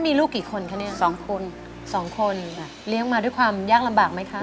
มีคุณมาด้วยความยากลำบากไหมคะ